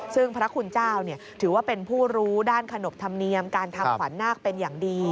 ซึ่งพระคุณเจ้าถือว่าเป็นผู้รู้ด้านขนบธรรมเนียมการทำขวัญนาคเป็นอย่างดี